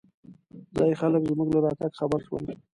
ځايي خلک زمونږ له راتګ خبر شول.